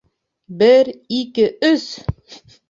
Бер... ике... өс!